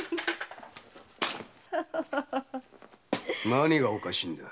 何がおかしいんだ。